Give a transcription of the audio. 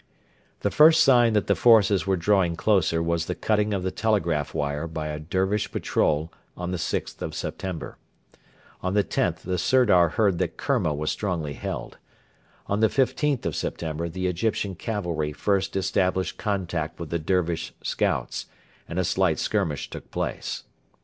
The first sign that the forces were drawing closer was the cutting of the telegraph wire by a Dervish patrol on the 6th of September. On the 10th the Sirdar heard that Kerma was strongly held. On the 15th of September the Egyptian cavalry first established contact with the Dervish scouts, and a slight skirmish took place.